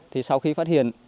thì sau khi phát hiện